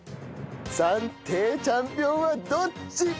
暫定チャンピオンはどっち？